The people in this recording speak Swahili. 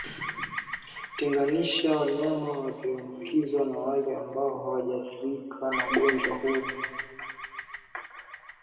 Tenganisha wanyama walioambukizwa na wale ambao hawajathirika na ugonjwa huu